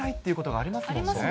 ありますもんね。